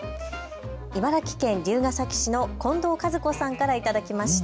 茨城県龍ケ崎市の近藤和子さんから頂きました。